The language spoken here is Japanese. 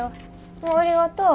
ああありがとう。